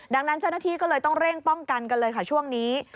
ดังนั้นเจ้าหน้าที่ก็เลยต้องเร่งป้องกันกันเลยค่ะช่วงนี้